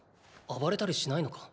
暴れたりしないのか？